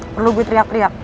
perlu gue teriak teriak